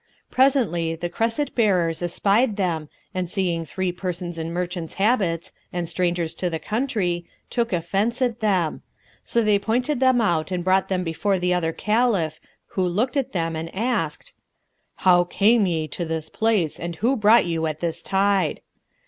Presently, the cresset bearers espied them and seeing three persons in merchants' habits, and strangers to the country, took offense at them; so they pointed them out and brought them before the other Caliph, who looked at them and asked, "How came ye to this place and who brought you at this tide?"